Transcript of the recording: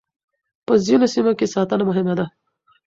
په ځينو سيمو کې ساتنه مهمه ده.